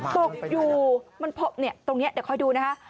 ตกอยู่มันพบตรงนี้เดี๋ยวคอยดูนะคะ